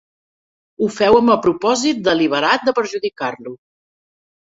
Ho feu amb el propòsit deliberat de perjudicar-lo.